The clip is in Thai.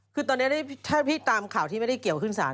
คือตอนนี้ถ้าพี่ตามข่าวที่ไม่ได้เกี่ยวขึ้นสาร